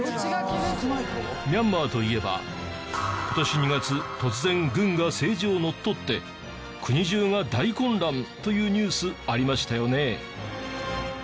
ミャンマーといえば今年２月突然軍が政治を乗っ取って国中が大混乱というニュースありましたよね？